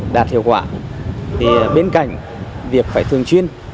đạt hiệu quả bên cạnh việc phải thường chuyên